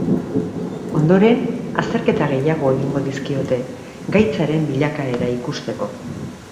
Ondoren, azterketa gehiago egingo dizkiote, gaitzaren bilakaera ikusteko.